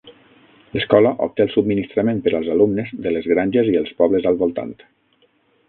L'escola obté el subministrament per als alumnes de les granges i els pobles al voltant.